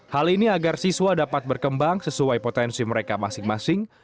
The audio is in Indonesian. hal ini agar siswa dapat berkembang sesuai potensi mereka masing masing